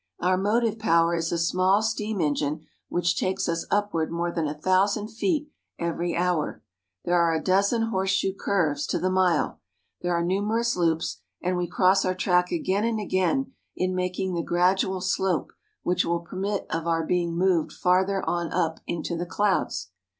Our motive power is a small steam engine which takes us up ward more than a thousand feet every hour. There are a dozen horseshoe curves to the mile. There are numerous loops, and we cross our track again and again in making the gradual slope which will permit of our being moved farther on up into the clouds.